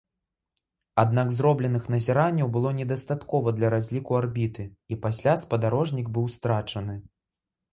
Аднак зробленых назіранняў было недастаткова для разліку арбіты, і пасля спадарожнік быў страчаны.